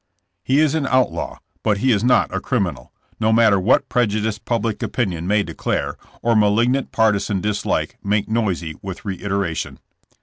He is an outlaw, but he is not a criminal, no matter what prejudiced public opinion may declare, or malignant partisan dislike make noisy with reiter ation.